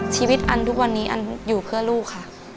ชีวิตอันทุกวันนี้อันอยู่เพื่อลูกค่ะ